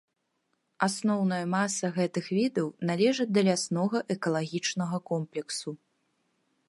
Асноўная маса гэтых відаў належаць да ляснога экалагічнага комплексу.